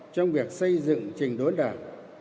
trong việc xây dựng trình đốn đảng